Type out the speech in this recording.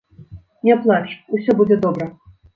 Не плач, усё будзе добра!